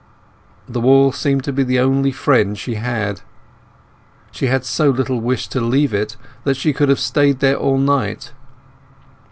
The wall seemed to be the only friend she had. She had so little wish to leave it that she could have stayed there all night.